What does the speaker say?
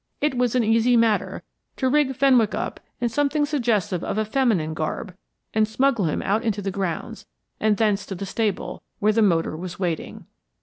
It was an easy matter to rig Fenwick up in something suggestive of a feminine garb and smuggle him out into the grounds, and thence to the stable, where the motor was waiting.